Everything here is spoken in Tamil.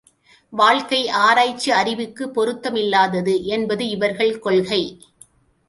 வாழ்க்கை ஆராய்ச்சி அறிவுக்குப் பொருத்தமில்லாதது என்பது இவர்கள் கொள்கை.